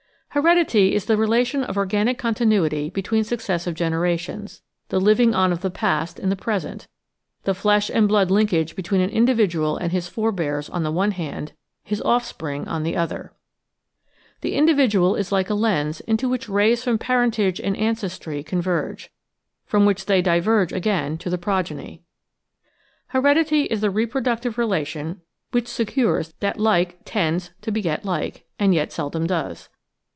Heredity is the relation of organic continuity between suc cessive generations, the living on of the past in the present, the flesh and blood linkage between an individual and his forbears on the one hand, his offspring on the other. The individual is like a lens into which rays from parentage and ancestry con verge, from which they diverge again to the progeny. Heredity is the reproductive relation which secures that like tends to beget like, and yet seldom does.